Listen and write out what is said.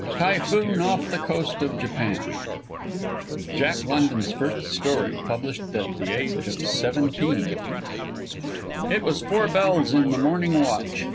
TYPHOON OFF THE COAST OF JAPAN [Jack London's first story, published at the age of seventeen] It was four bells in the morning watch.